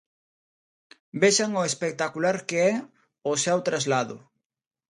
Vexan o espectacular que é o seu traslado.